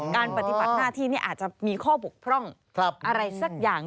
ปฏิบัติหน้าที่นี่อาจจะมีข้อบกพร่องอะไรสักอย่าง